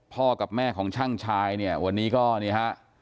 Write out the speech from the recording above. กับแม่ของช่างชายเนี่ยวันนี้ก็นี่ฮะ